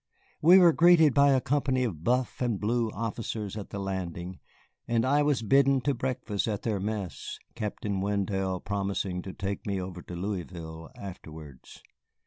We were greeted by a company of buff and blue officers at the landing, and I was bidden to breakfast at their mess, Captain Wendell promising to take me over to Louisville afterwards.